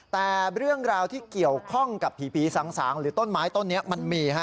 แต่เรื่องราวที่เกี่ยวข้องกับผีสางหรือต้นไม้ต้นนี้มันมี